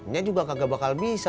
nya juga kagak bakal bisa